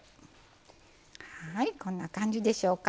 はいこんな感じでしょうか